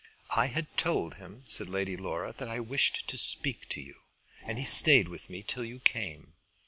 "I had told him," said Lady Laura, "that I wished to speak to you, and he stayed with me till you came.